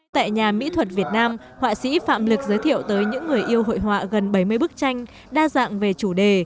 tại nhà mỹ thuật việt nam họa sĩ phạm lực giới thiệu tới những người yêu hội họa gần bảy mươi bức tranh đa dạng về chủ đề